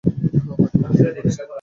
হ্যাঁ, হয়তো আমি ঠিকই করেছি।